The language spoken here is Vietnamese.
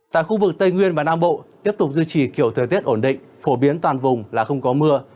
tại khu vực tây nguyên và nam bộ tiếp tục duy trì kiểu thời tiết ổn định phổ biến toàn vùng là không có mưa